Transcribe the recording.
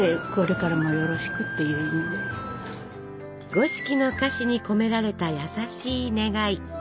五色の菓子に込められた優しい願い。